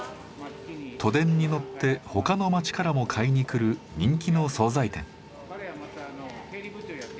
都電に乗って他の町からも買いに来る人気の総菜店。